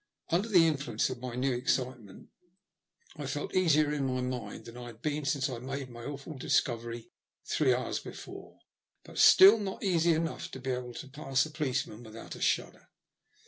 Under the influence of my new excitement I felt easier in my mind than I had been since I made my awful discovery three hours be fore, but still not easy enough to be able to pass a THE LUST OF HATE. 105 policeman without a shudder.